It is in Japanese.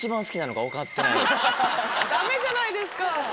ダメじゃないですか。